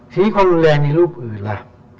ชี้ความรุนแรงในรูปอื่นล่ะ